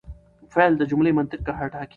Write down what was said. فعل د جملې منطق ټاکي.